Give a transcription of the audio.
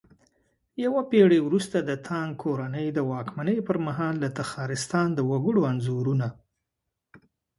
يوه پېړۍ وروسته د تانگ کورنۍ د واکمنۍ پرمهال د تخارستان د وگړو انځورونه